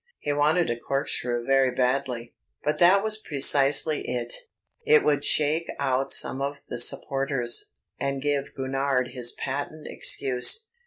He wanted a corkscrew very badly. But that was precisely it it would "shake out some of the supporters," and give Gurnard his patent excuse.